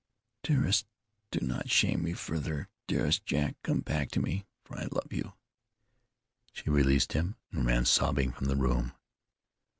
"Dearest, do not shame me further. Dearest Jack, come back to me, for I love you." She released him, and ran sobbing from the room.